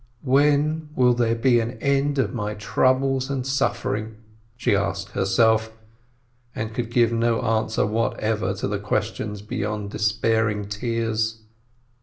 "When will there be an end of my troubles and suffer ing?" she asked herself, and could give no answer whatever to the question beyond despairing tears.